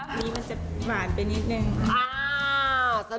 อันนี้มันจะหวานไปนิดนึง